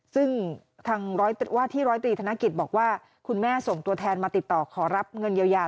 ซึ่งทางว่าที่ร้อยตรีธนกิจบอกว่าคุณแม่ส่งตัวแทนมาติดต่อขอรับเงินเยียวยา